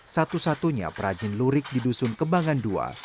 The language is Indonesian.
satu satunya perajin lurik di dusun kembangan ii